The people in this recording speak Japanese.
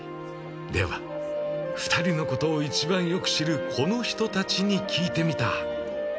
では、２人のことを一番よく知るこの人たちに聞いてみた。